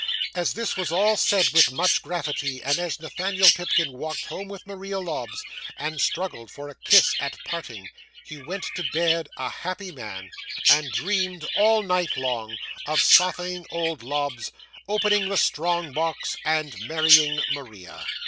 As all this was said with much gravity, and as Nathaniel Pipkin walked home with Maria Lobbs, and struggled for a kiss at parting, he went to bed a happy man, and dreamed all night long, of softening old Lobbs, opening the strong box, and marrying Maria.